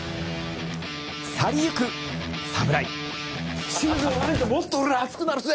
去り行く侍。